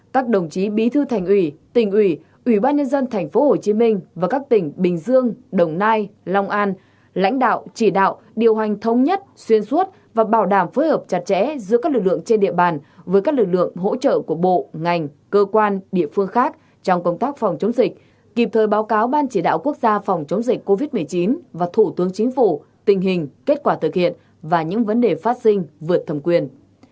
bảy các đồng chí bí thư thành ủy tỉnh ủy ủy ban nhân dân tp hcm và các tỉnh bình dương đồng nai long an lãnh đạo chỉ đạo điều hành thống nhất xuyên suốt và bảo đảm phối hợp chặt chẽ giữa các lực lượng trên địa bàn với các lực lượng hỗ trợ của bộ ngành cơ quan địa phương khác trong công tác phòng chống dịch kịp thời báo cáo ban chỉ đạo quốc gia phòng chống dịch covid một mươi chín và thủ tướng chính phủ tình hình kết quả thực hiện và những vấn đề phát sinh vượt thẩm quyền